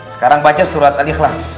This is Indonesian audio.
sekarang baca surat al ikhlas